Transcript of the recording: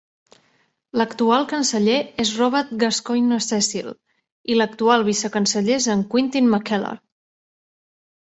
L'actual canceller és Robert Gascoyne-Cecil i l'actual vicecanceller és Quintin McKellar.